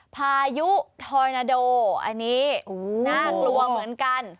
พายุทอยนาโดอันนี้น่ากลัวเหมือนกัน